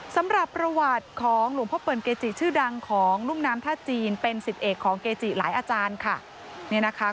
สำหรับประวัติของหลวงพ่อเปิลเกจิชื่อดังของรุ่มน้ำท่าจีนเป็นสิทธิเอกของเกจิหลายอาจารย์ค่ะ